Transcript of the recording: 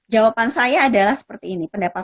jawaban saya adalah seperti ini pendapat